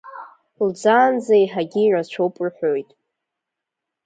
Лӡаанӡа еиҳагьы ирацәоуп рҳәоит.